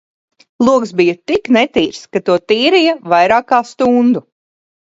Logs bija tik netīrs, ka to tīrīja vairāk kā stundu